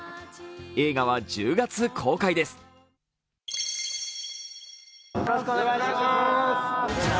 映画は１０月公開です。